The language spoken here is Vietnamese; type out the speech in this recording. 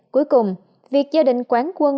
cuối cùng việc gia đình quán quân